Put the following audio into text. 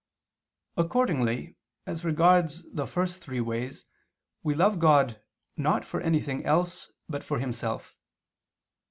Accordingly, as regards the first three ways, we love God, not for anything else, but for Himself.